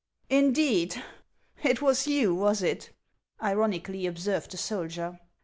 " Indeed ! it was you, was it ?" ironically observed the soldier.